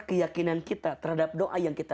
keyakinan kita terhadap doa yang kita